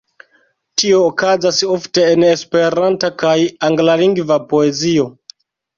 Tio okazas ofte en Esperanta kaj anglalingva poezio.